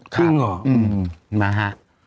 ครึ่งหรอมาฮะ